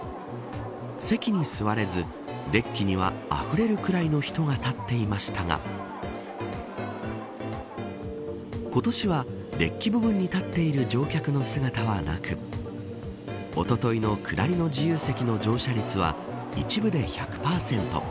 席に座れずデッキには溢れるくらいの人が立っていましたが今年はデッキ部分に立っている乗客の姿はなくおとといの下りの自由席の乗車率は一部で１００％。